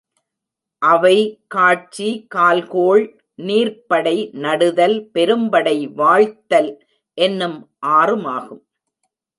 அவை காட்சி, கால் கோள், நீர்ப்படை, நடுதல், பெரும்படை, வாழ்த்தல் என்னும் ஆறுமாகும்.